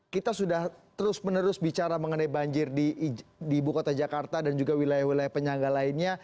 kita sudah terus menerus bicara mengenai banjir di ibu kota jakarta dan juga wilayah wilayah penyangga lainnya